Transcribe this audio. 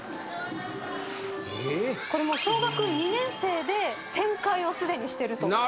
これも小学２年生で旋回をすでにしてると。